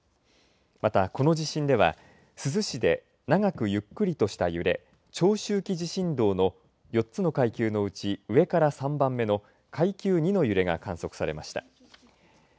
また、この地震では珠洲市で長くゆっくりとした揺れ長周期地震動の４つの階級のうち上から３番目の階級２の揺れが観測されました。